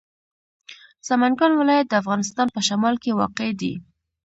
سمنګان ولایت د افغانستان په شمال کې واقع دی.